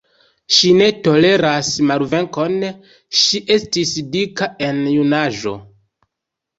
Ŝi ne toleras malvenkon, ŝi estis dika en junaĝo.